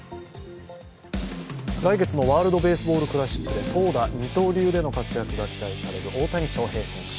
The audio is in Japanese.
来月のワールドベースボールクラシックで投打二刀流の活躍が期待される大谷翔平選手。